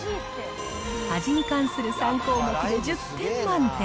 味に関する３項目で１０点満点。